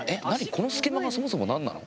この隙間がそもそも何なの？